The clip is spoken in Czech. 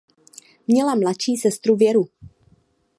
Měla mladší sestru Věru.